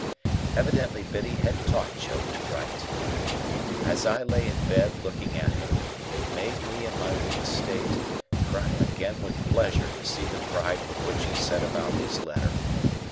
Evidently Biddy had taught Joe to write. As I lay in bed looking at him, it made me, in my weak state, cry again with pleasure to see the pride with which he set about his letter.